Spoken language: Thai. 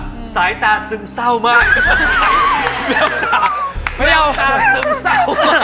พอย่าตาซึ้งเศร้ามาก